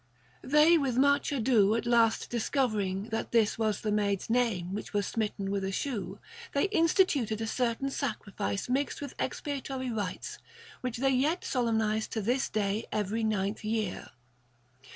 They with much ado at last discovering that this was the maid's name which was smitten with a shoe, they instituted a certain sacrifice mixed with expiatory rites, which they yet solemnize to this day every ninth year.